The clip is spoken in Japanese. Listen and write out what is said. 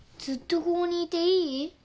ずっとここにいていい？